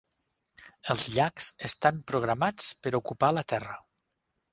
Els llacs estan programats per ocupar la terra.